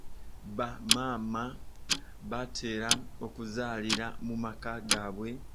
Bamaama batera okuzaalira mu maka gaabwe.